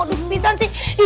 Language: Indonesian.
para etek memang pegang saya